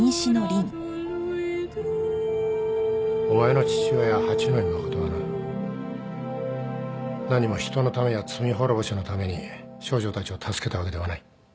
お前の父親八野衣真はな何も人のためや罪滅ぼしのために少女たちを助けたわけではない。